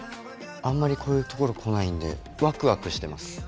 あんまりこういう所来ないんでワクワクしてます。